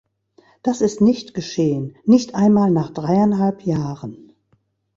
Das ist nicht geschehen, nicht einmal nach dreieinhalb Jahren.